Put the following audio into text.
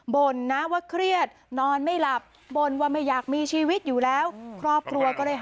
บ่นนะเครียดนอนไม่หลับบ่นว่าไม่อยากมีชีวิตอยู่แล้ว